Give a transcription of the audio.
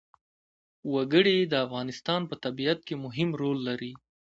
وګړي د افغانستان په طبیعت کې مهم رول لري.